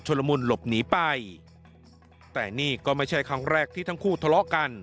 ละมุนหลบหนีไปแต่นี่ก็ไม่ใช่ครั้งแรกที่ทั้งคู่ทะเลาะกัน